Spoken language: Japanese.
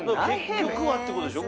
結局はって事でしょ